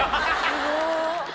すごっ！